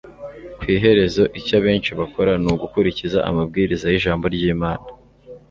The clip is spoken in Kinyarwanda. ku iherezo, icyo abenshi bakora, ni ugukurikiza amabwiriza y'ijambo ry'imana